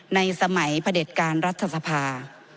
ในสมัยพระเด็จการรัฐสภา